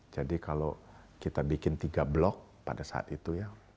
jadi kalau kita bikin tiga blok pada saat itu